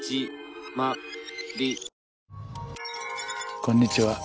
こんにちは。